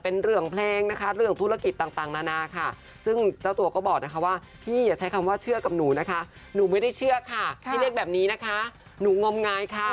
เออน้องไฮก็บอกกับเราตรง